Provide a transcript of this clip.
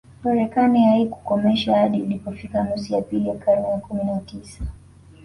Marekani haikuikomesha hadi ilipofika nusu ya pili ya karne ya kumi na tisa